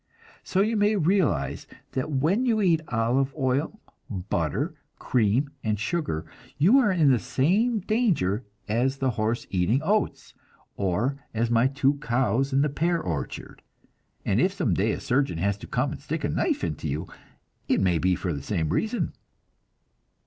So you may realize that when you eat olive oil, butter, cream, and sugar, you are in the same danger as the horse eating oats, or as my two cows in the pear orchard; and if some day a surgeon has to come and stick a knife into you, it may be for the same reason.